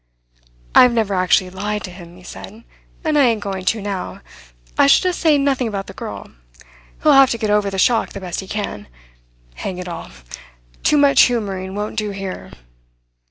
"I've never actually lied to him," he said, "and I ain't going to now. I shall just say nothing about the girl. He will have to get over the shock the best he can. Hang it all! Too much humouring won't do here."